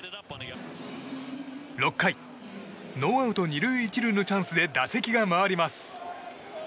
６回、ノーアウト２塁１塁のチャンスで打席が回ります。